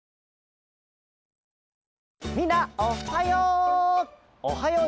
みんなおっはよう！